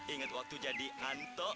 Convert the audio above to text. ingat waktu jadi anto